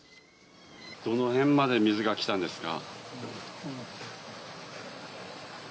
どの辺まで水が来たんですか。